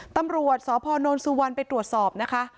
ตำรวจสพนสุวรรณไปตรวจสอบนะคะ